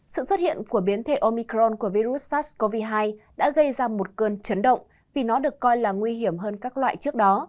sự xuất hiện của biến thể omicron của virus sars cov hai đã gây ra một cơn chấn động vì nó được coi là nguy hiểm hơn các loại trước đó